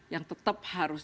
yang tetap harus